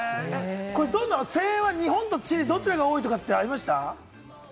声援は日本とチリどちらが多いとかありました？